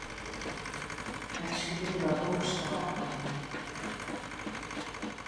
Vai subindo a cousa...